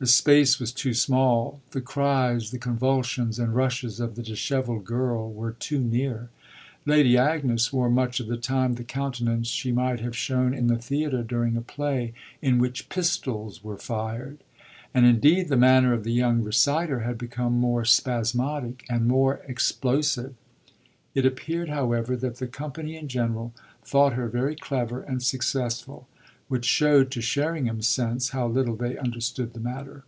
The space was too small, the cries, the convulsions and rushes of the dishevelled girl were too near. Lady Agnes wore much of the time the countenance she might have shown at the theatre during a play in which pistols were fired; and indeed the manner of the young reciter had become more spasmodic and more explosive. It appeared, however, that the company in general thought her very clever and successful; which showed, to Sherringham's sense, how little they understood the matter.